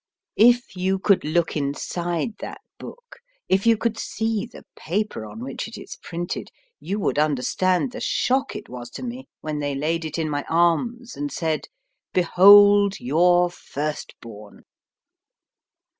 If you could look inside that book, if you could see the paper on which it is printed, you would understand the shock it was to me when they laid it in my arms and said :* Behold your firstborn.